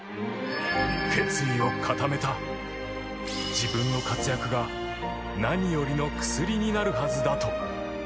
自分の活躍が何よりの薬になるはずだと。